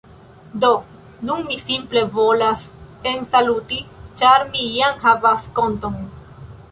Do, nun mi simple volas ensaluti ĉar mi jam havas konton